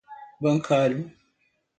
bancário